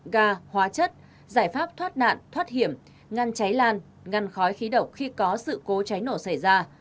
ga hóa chất giải pháp thoát nạn thoát hiểm ngăn cháy lan ngăn khói khí độc khi có sự cố cháy nổ xảy ra